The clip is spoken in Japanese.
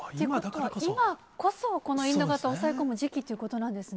今こそ、このインド型を抑え込む時期ということなんですね。